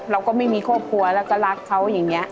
เราก็ไม่มีครอบครัวแล้วก็รักเขาอย่างนี้